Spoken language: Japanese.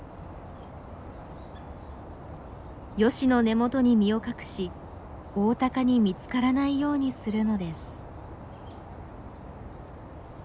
ヨシの根元に身を隠しオオタカに見つからないようにするのです。